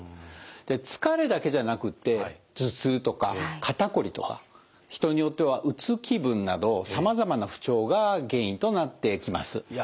で疲れだけじゃなくって頭痛とか肩こりとか人によってはうつ気分などさまざまな不調が原因となってきます。